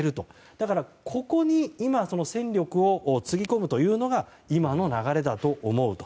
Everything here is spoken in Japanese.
だから、ここに今、戦力をつぎ込むというのが今の流れだと思うと。